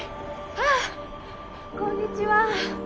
ああこんにちは。